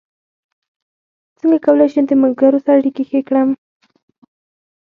څنګه کولی شم د ملګرو سره اړیکې ښې کړم